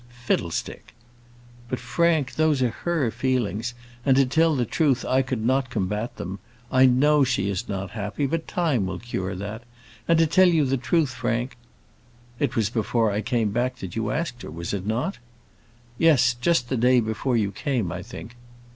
"Fiddlestick!" "But, Frank, those are her feelings; and, to tell the truth, I could not combat them. I know she is not happy; but time will cure that. And, to tell you the truth, Frank " "It was before I came back that you asked her, was it not?" "Yes; just the day before you came, I think."